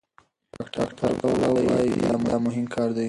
ډاکتر پاولو وايي دا مهم کار دی.